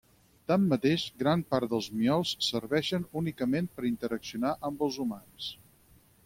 Tanmateix, gran part dels miols serveixen únicament per interaccionar amb els humans.